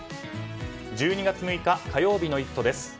１２月６日火曜日の「イット！」です。